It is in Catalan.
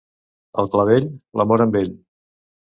Al clavell, l'amor amb ell.